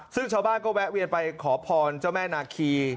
ซึ่งชาวบ้านก็แวะเวียนไปขอพรเจ้าแม่นาคี